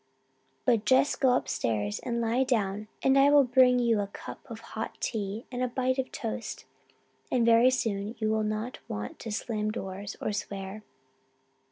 But just you go upstairs and lie down and I will bring you up a cup of hot tea and a bite of toast and very soon you will not want to slam doors or swear."